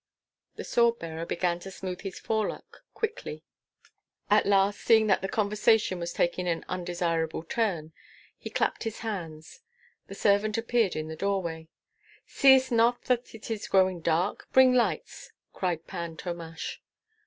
The sword bearer began to smooth his forelock quickly. At last, seeing that the conversation was taking an undesirable turn, he clapped his hands. A servant appeared in the doorway. "Seest not that it is growing dark? Bring lights!" cried Pan Tomash.